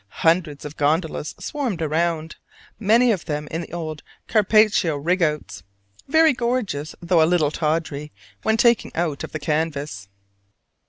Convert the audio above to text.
Hundreds of gondolas swarmed round; many of them in the old Carpaccio rig outs, very gorgeous though a little tawdry when taken out of the canvas.